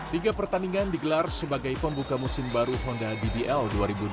tiga pertandingan digelar sebagai pembuka musim baru honda dbl dua ribu dua puluh dua dua ribu dua puluh tiga